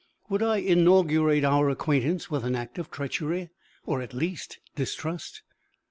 Would I inaugurate our acquaintance with an act of treachery, or at least distrust?